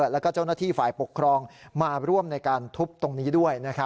แล้วก็เจ้าหน้าที่ฝ่ายปกครองมาร่วมในการทุบตรงนี้ด้วย